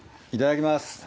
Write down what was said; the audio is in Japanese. いただきます。